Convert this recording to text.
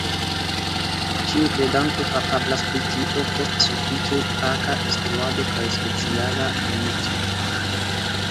Ĉiu kredanto kapablas pri tio – post sufiĉe faka instruado kaj speciala inico.